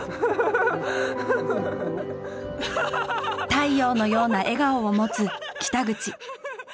太陽のような笑顔を持つ北口。